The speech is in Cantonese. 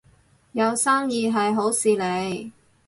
有生意係好事嚟